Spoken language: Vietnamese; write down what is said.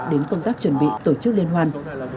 đến công tác chuẩn bị tổ chức liên hoan